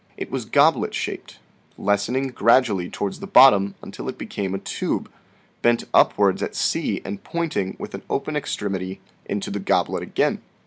It was goblet shaped, lessening gradually towards the bottom until it became a tube, bent upwards at c and pointing with an open extremity into the goblet again.